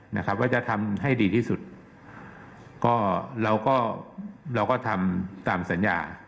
นะครับว่าจะทำให้ดีที่สุดก็เราก็เราก็ทำตามสัญญา